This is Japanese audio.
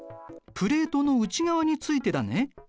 プレートの内側についてだね。